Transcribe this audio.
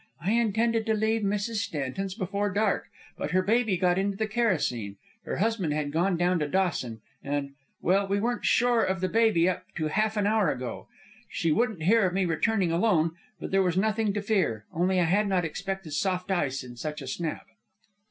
I intended to leave Mrs. Stanton's before dark; but her baby got into the kerosene, her husband had gone down to Dawson, and well, we weren't sure of the baby up to half an hour ago. She wouldn't hear of me returning alone; but there was nothing to fear; only I had not expected soft ice in such a snap."